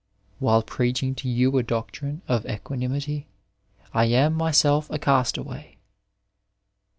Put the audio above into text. While preaching to you a doctrine of equanimity, I am, mjaelf , a castaway.